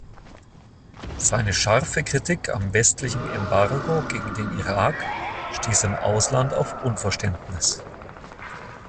Seine scharfe Kritik am westlichen Embargo gegen den Irak stieß im Ausland auf Unverständnis.